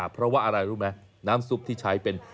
เพราะว่าอะไรรู้ไหมน้ำซุปที่ใช้เป็น